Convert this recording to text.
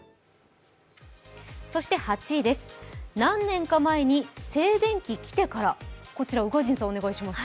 そして８位です何年か前に静電気きてから、宇賀神さんお願いします。